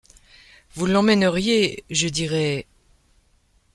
Vous l’emmèneriez, je dirais :